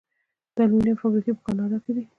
د المونیم فابریکې په کاناډا کې دي.